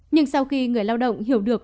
nhưng sau khi người lao động hiểu được